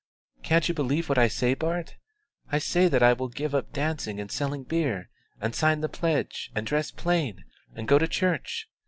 "Can't you believe what I say, Bart? I say that I will give up dancing and selling beer, and sign the pledge, and dress plain, and go to church.